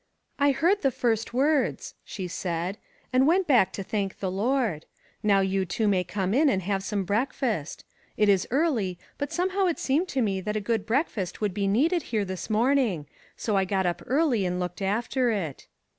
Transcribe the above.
"I heard the first words," she said, "and went back to thank the Lord. Now you two may come in and have some breakfast. It is early, but somehow it seemed to me that a good breakfast would be needed here this morning, so I got up early and looked after it."